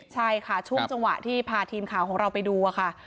ใช่ค่ะช่วงจังหวะที่พาทีมข่าวของเราไปดูค่ะ